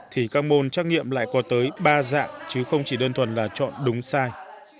thì các môn trắc nghiệm lại có tới ba dạng chứ không chỉ đơn thuần là chọn đúng sai